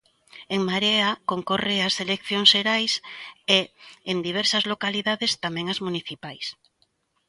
En Marea concorre ás eleccións xerais e, en diversas localidades, tamén ás municipais.